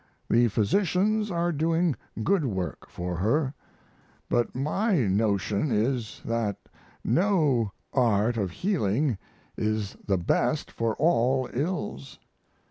The physicians are doing good work for her, but my notion is, that no art of healing is the best for all ills.